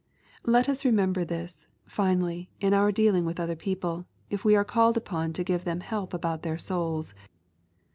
Let us remember this, finally, in our dealing with other people, if we are called upon to give them help about their souls.